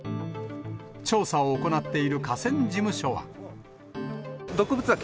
調査を行っている河川事務所は。